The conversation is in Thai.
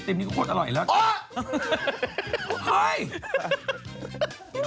แต่นี่ตกลงแก่กินไอเซ็มนี่ก็กฎอร่อยแล้ว